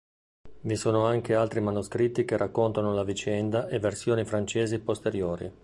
Vi sono anche altri manoscritti che raccontano la vicenda e versioni francesi posteriori.